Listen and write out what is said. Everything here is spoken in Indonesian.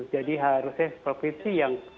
jadi harusnya provinsi yang